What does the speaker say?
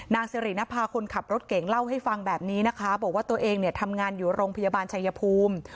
นางสิรินภาคนขับรถเก่งเล่าให้ฟังแบบนี้นะคะบอกว่าตัวเองเนี่ยทำงานอยู่โรงพยาบาลชายภูมิ